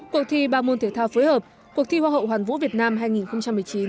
cuộc thi ba môn thể thao phối hợp cuộc thi hoa hậu hoàn vũ việt nam hai nghìn một mươi chín